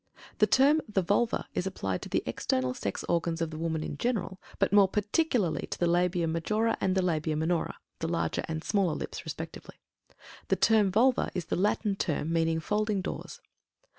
The term "the Vulva" is applied to the external sex organs of the woman in general, but more particularly to the Labia Majora and the Labia Minora (the larger and smaller "lips," respectively). The term "Vulva" is the Latin term meaning "folding doors."